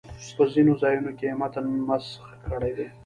په ځینو ځایونو کې یې متن مسخ کړی دی.